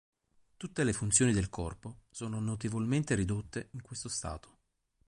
Tutte le funzioni del corpo sono notevolmente ridotte in questo stato.